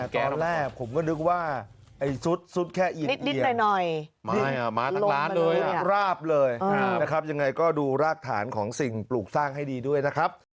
ตอนแรกผมก็นึกว่าไอ้ซุดแค่อินเดียมาทั้งร้านเลยราบเลยนะครับยังไงก็ดูรากฐานของสิ่งปลูกสร้างให้ดีด้วยนะครับ